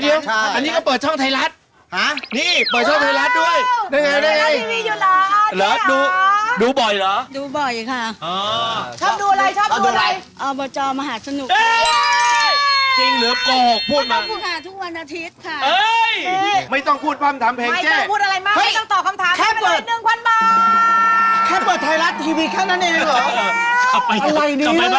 เอาไปกินแล้วแกะถุงเลย